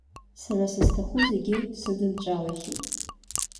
Сара сызҭаху зегьы сыдынҵәалахьеит.